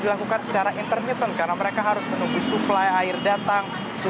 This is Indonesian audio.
dan dilakukan secara intermittent karena mereka harus menunggu suplai air datang